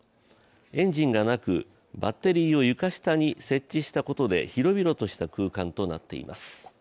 エンジンがなくバッテリーを床下に設置したことで広々とした空間となっています。